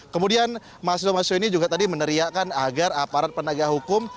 kemudian mahasiswa mahasiswa ini juga tadi meneriakan agar aparat penegak hukum